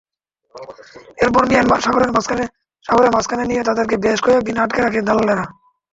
এরপর মিয়ানমার সাগরের মাঝখানে নিয়ে তাদেরকে বেশ কয়েক দিন আটকে রাখে দালালেরা।